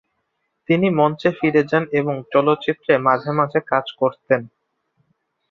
তিনি মঞ্চে ফিরে যান এবং চলচ্চিত্রে মাঝে মাঝে কাজ করতেন।